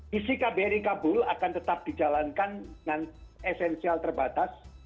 visi kbri kabul akan tetap dijalankan dengan esensial terbatas